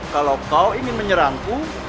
kalau kau ingin menyerangku